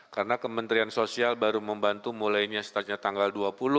karena kementerian sosial baru membantu mulainya setelah tanggal dua puluh